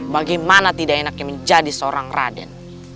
bagaimana tidak enaknya menjadi seorang raden